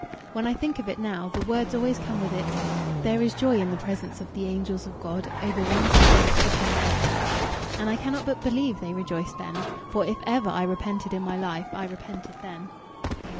When I think of it now, the words always come with it, "There is joy in the presence of the angels of God over one sinner that repenteth," and I cannot but believe they rejoiced then, for if ever I repented in my life I repented then.